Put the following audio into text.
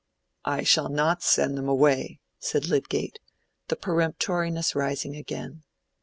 "I shall not send them away," said Lydgate, the peremptoriness rising again.